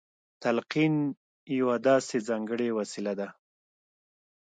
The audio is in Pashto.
تلقين يوه داسې ځانګړې وسيله ده.